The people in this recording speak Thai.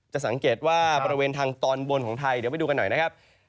สังเกตว่าบริเวณทางตอนบนของไทยเดี๋ยวไปดูกันหน่อยนะครับ